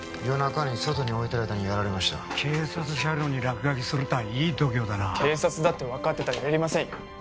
夜中に外に置いてる間にやられました警察車両に落書きするたぁいい度胸だな警察だって分かってたらやりませんよ